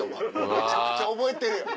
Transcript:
めちゃくちゃ覚えてるやん。